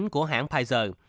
của hãng pfizer